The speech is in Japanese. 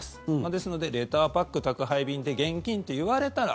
ですのでレターパック、宅配便で現金って言われたら